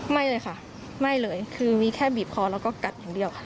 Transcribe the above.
ไม่เลยค่ะไม่เลยคือมีแค่บีบคอแล้วก็กัดอย่างเดียวค่ะ